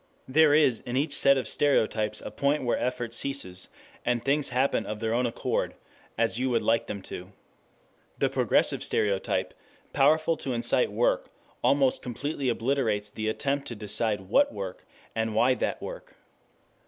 There is in each set of stereotypes a point where effort ceases and things happen of their own accord, as you would like them to. The progressive stereotype, powerful to incite work, almost completely obliterates the attempt to decide what work and why that work.